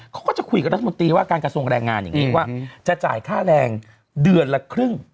เขาก็จะคุยกับรัฐมนตรีว่าการกระทรวงแรงงานอย่างนี้ว่าจะจ่ายค่าแรงเดือนละครึ่ง